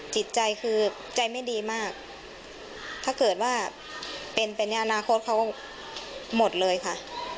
จิตใจคือใจไม่ดีมากถ้าเกิดว่าเป็นไปในอนาคตเขาหมดเลยค่ะ